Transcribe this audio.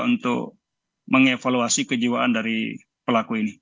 untuk mengevaluasi kejiwaan dari pelaku ini